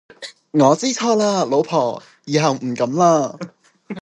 我知錯喇老婆，以後唔敢喇